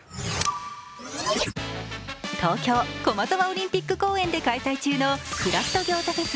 東京・駒沢オリンピック公園で開催中のクラフト餃子フェス